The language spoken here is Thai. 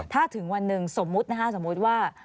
ถ้าถึงวันหนึ่งสมมุตินะฮะสมมุติว่า